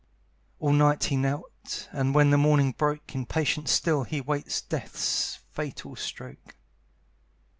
All night he knelt, and, when the morning broke, In patience still he waits death's fatal stroke.